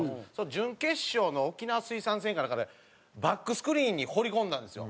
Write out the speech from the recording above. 準決勝の沖縄水産戦かなんかでバックスクリーンに放り込んだんですよ。